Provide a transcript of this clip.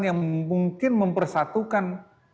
yang mungkin mempersatukan